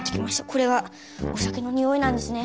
これはお酒のニオイなんですね。